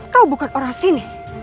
kau bukan orang sini